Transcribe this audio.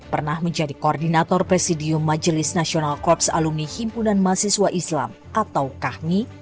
pernah menjadi koordinator presidium majelis nasional korps alumni himpunan mahasiswa islam atau kahmi